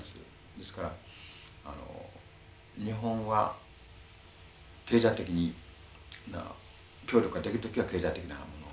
ですからあの日本は経済的な協力ができる時は経済的なものをやる。